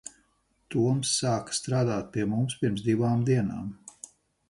Toms sāka strādāt pie mums pirms divām dienām.